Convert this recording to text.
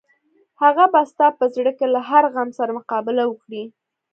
هغه به ستا په زړه کې له هر غم سره مقابله وکړي.